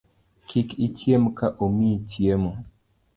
Kik ichiem ka omiyi chiemo